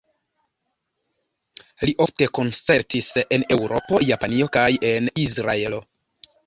Li ofte koncertis en Eŭropo, Japanio kaj en Izraelo.